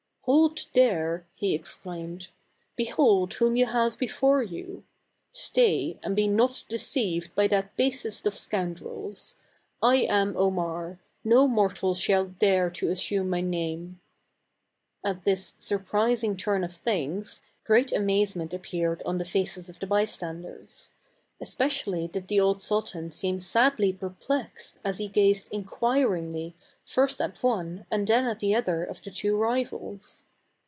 "Hold there," he exclaimed; "behold whom you have before you. Stay, and be not deceived by that basest of scoundrels. I am Omar ; no mortal shall dare to asume my name !" At this surprising turn of things, great amaze ment appeared on the faces of the bystanders. Especially did the old sultan seem sadly per 202 „ THE CARAVAN. plexed as he gazed inquiringly first at one and then at the other of the two rivals.